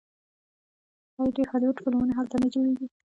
آیا ډیر هالیوډ فلمونه هلته نه جوړیږي؟